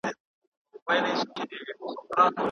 مینه دروغو ته اړتیا لري.